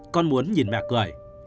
con muốn nhìn mẹ cười